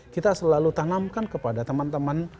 kita selalu tanamkan kepada teman teman